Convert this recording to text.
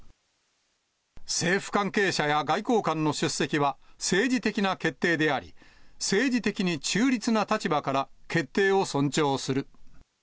政府関係者や外交官の出席は、政治的な決定であり、政治的に中立な立場から決定を尊重する。